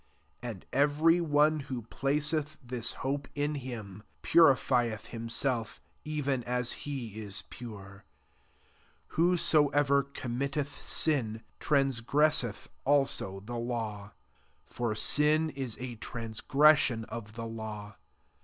3 And every one who placeth this hope in him, purifieth him self, even as he is pure. 4 Who soever committeth sin, trans gresseth also the law : £9r ain is a transgression of the law.